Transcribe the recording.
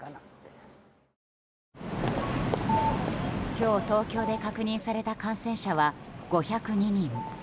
今日、東京で確認された感染者は５０２人。